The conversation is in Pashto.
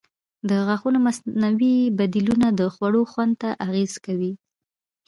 د غاښونو مصنوعي بدیلونه د خوړو خوند ته اغېز کوي.